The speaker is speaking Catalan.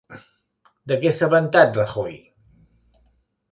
De què s'ha vantat Rajoy?